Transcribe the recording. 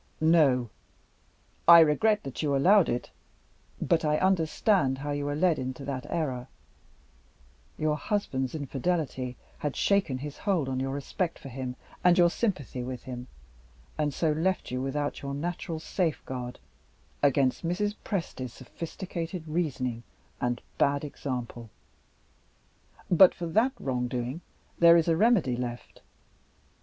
"No. I regret that you allowed it; but I understand how you were led into that error. Your husband's infidelity had shaken his hold on your respect for him and your sympathy with him, and had so left you without your natural safeguard against Mrs. Presty's sophistical reasoning and bad example. But for that wrong doing, there is a remedy left.